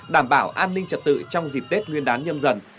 đảm bảo an ninh trật tự trong dịp tết nguyên đán nhâm dần